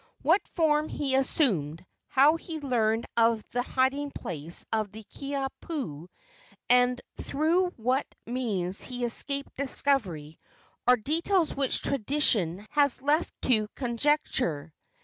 What form he assumed, how he learned of the hiding place of the Kiha pu, and through what means he escaped discovery, are details which tradition has left to conjecture.